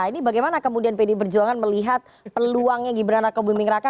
ini bagaimana kemudian pdi perjuangan melihat peluangnya gibran raka buming raka